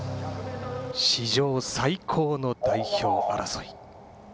史上最高の代表争い。